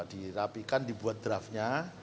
dirapikan dibuat draftnya